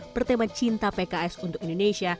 bertema cinta pks untuk indonesia